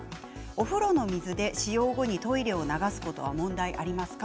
お風呂の水で使用後にトイレを流すことは問題ありますか？